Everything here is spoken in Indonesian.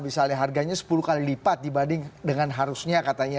misalnya harganya sepuluh kali lipat dibanding dengan harusnya katanya